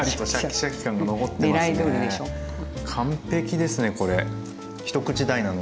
完璧ですねこれ。